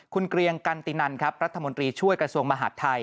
คุณเกรียงกันตินันครับรัฐมนตรีช่วยกระทรวงมหาดไทย